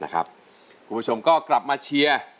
คุณผู้ชมก็กลับมาเชียร์